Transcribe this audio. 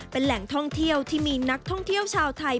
เป็นแหล่งท่องเที่ยวที่มีนักท่องเที่ยวชาวไทย